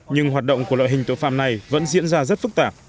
nhưng hoạt động của loại hình tội phạm này vẫn diễn ra rất phức tạp